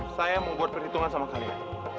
saya mau buat perhitungan sama kalian